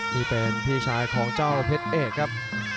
นี่เป็นพี่ชายของเจ้าเพชรเอกครับ